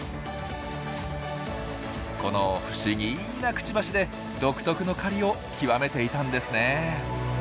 この不思議なクチバシで独特の狩りを極めていたんですね。